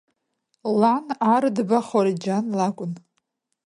Лан Арыдба Ҳореџьан лакәын.